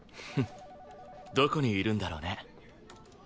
フッどこにいるんだろうね。